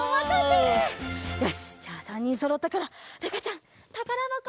よしじゃあ３にんそろったからるかちゃんたからばこ